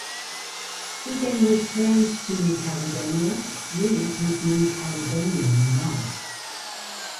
He then returned to New Caledonia with his New Caledonian wife.